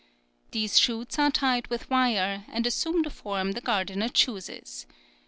These shoots are tied with wire, and assume the form the gardener chooses.